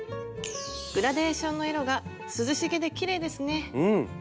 グラデーションの色が涼しげできれいですね。